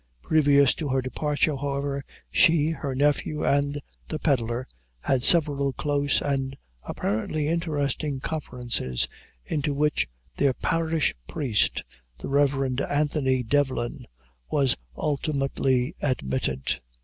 Previous to her departure, however, she, her nephew, and the pedlar, had several close, and apparently interesting conferences, into which their parish priest, the Rev. Anthony Devlin, was ultimately admitted.